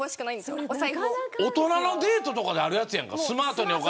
大人のデートとかであるやつやん。